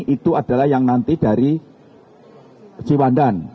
itu adalah yang nanti dari ciwandan